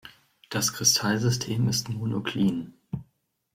Das Kristallsystem ist monoklin.